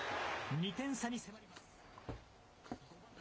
２点差に迫ります。